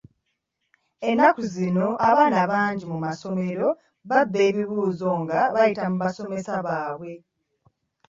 Ennaku zino abaana bangi mu masomero babba ebibuuzo nga bayita mu basomesa baabwe.